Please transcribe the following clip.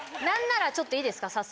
何ならちょっといいですか？